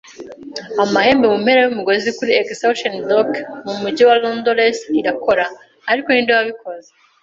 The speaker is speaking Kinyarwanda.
amahembe mumpera yumugozi kuri Execution Dock mumujyi wa Londres, irakora. Ariko ninde wabikoze